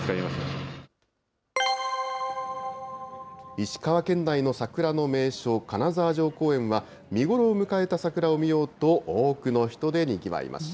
石川県内の桜の名所、金沢城公園は、見頃を迎えた桜を見ようと、多くの人でにぎわいました。